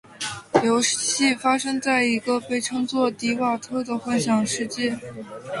游戏发生在一个被称作「提瓦特」的幻想世界。